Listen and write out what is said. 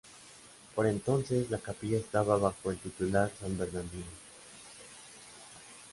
Por entonces la capilla estaba bajo el titular San Bernardino.